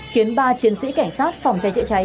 khiến ba chiến sĩ cảnh sát phòng cháy chữa cháy